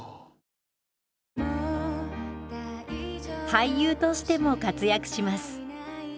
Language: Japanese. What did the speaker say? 俳優としても活躍します。